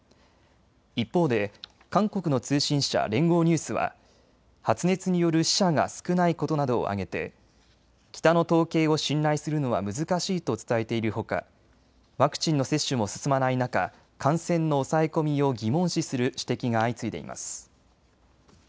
一方で韓国の通信社、連合ニュースは発熱による死者が少ないことなどを挙げて北の統計を信頼するのは難しいと伝えているほか、ワクチンの接種も進まない中、感染の抑え込みを疑問視する指摘が相次いでいます。